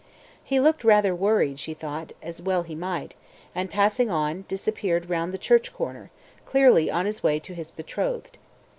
He looked rather worried, she thought (as well he might), and passing on he disappeared round the church corner, clearly on his way to his betrothed.